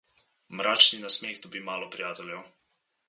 Mračni nasmeh dobi malo prijateljev.